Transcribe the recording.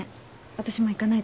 私もう行かないと。